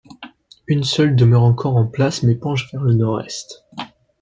Une seule demeure encore en place mais penche vers le nord-est.